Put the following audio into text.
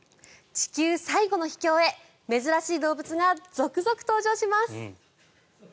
地球最後の秘境へ珍しい動物が続々登場します。